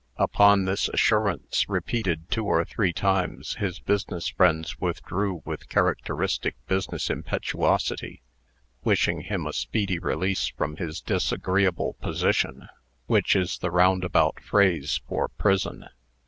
Upon this assurance, repeated two or three times, his business friends withdrew with characteristic business impetuosity, wishing him a speedy release from his disagreeable position which is the roundabout phrase for prison.